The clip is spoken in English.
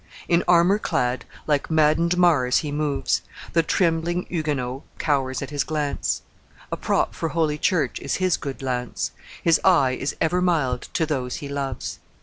In armor clad, like maddened Mars he moves; The trembling Huguenot cowers at his glance; A prop for holy church is his good lance; His eye is ever mild to those he loves."